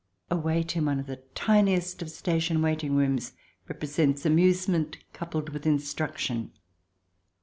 A wait in one of the tiniest of station waiting rooms represents amusement, coupled with instruction.